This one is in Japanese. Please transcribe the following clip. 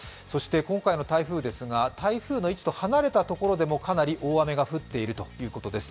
今回の台風ですが台風の位置と離れたところでもかなり大雨が降っているということです。